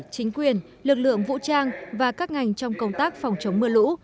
chính quyền lực lượng vũ trang và các ngành trong công tác phòng chống mưa lũ